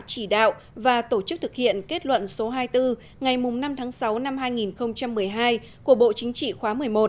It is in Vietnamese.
chỉ đạo và tổ chức thực hiện kết luận số hai mươi bốn ngày năm tháng sáu năm hai nghìn một mươi hai của bộ chính trị khóa một mươi một